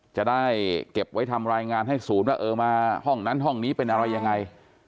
จะได้เก็บไว้ทำรายงานให้ศูนย์ว่าเออมาห้องนั้นห้องนี้เป็นอะไรยังไง